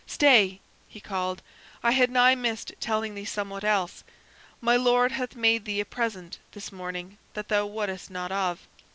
"Stay!" he called. "I had nigh missed telling thee somewhat else. My Lord hath made thee a present this morning that thou wottest not of.